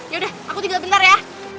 ya udah aku tinggal bentar ya